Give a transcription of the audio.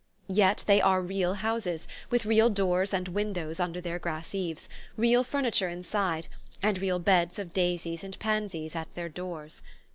Yet they are real houses, with real doors and windows under their grass eaves, real furniture inside, and real beds of daisies and pansies at their doors.